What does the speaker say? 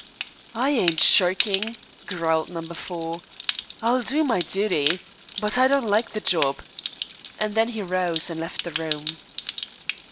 "I ain't shirking," growled Number Four. "I'll do my duty. But I don't like the job," and then he arose and left the room.